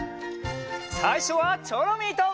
さいしょはチョロミーと！